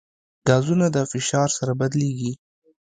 ګازونه د فشار سره بدلېږي.